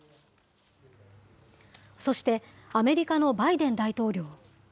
そしてアメリカのバイデン大統領。